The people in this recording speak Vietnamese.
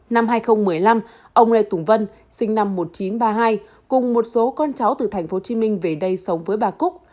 năm hai nghìn một mươi năm ông lê tùng vân sinh năm một nghìn chín trăm ba mươi hai cùng một số con cháu từ tp hcm về đây sống với bà cúc